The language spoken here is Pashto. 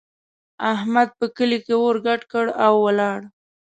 احمد په کلي کې اور ګډ کړ او ولاړ.